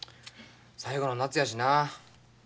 最後の夏やしな。